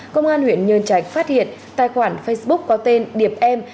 công an huyện nhơn trạch phát hiện tài khoản facebook có tên điệp em